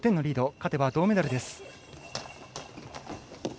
勝てば銅メダルです。